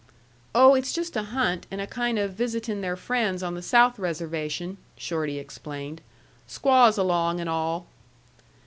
"Oh, it's just a hunt, and a kind of visitin' their friends on the South Reservation," Shorty explained. "Squaws along and all."